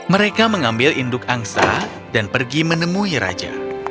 mereka mengambil induk angsa dan pergi menemui raja